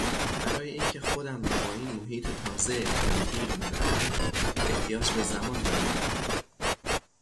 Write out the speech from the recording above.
برای اینکه خودم رابا این محیط تازه تطبیق بدهم، احتیاج به زمان دارم.